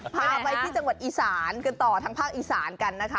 พาไปที่จังหวัดอีสานกันต่อทางภาคอีสานกันนะคะ